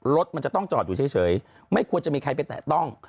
รถมันจะต้องจอดอยู่เฉยไม่ควรจะมีใครไปแตะต้อง